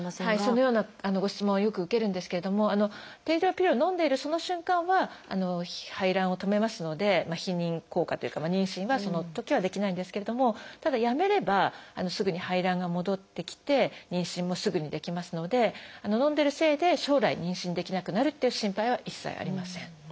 そのようなご質問はよく受けるんですけれども低用量ピルをのんでいるその瞬間は排卵を止めますので避妊効果というか妊娠はそのときはできないんですけれどもただやめればすぐに排卵が戻ってきて妊娠もすぐにできますのでのんでるせいで将来妊娠できなくなるっていう心配は一切ありません。